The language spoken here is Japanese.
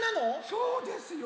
そうですよ。